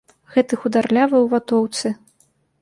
Гэты хударлявы ў ватоўцы.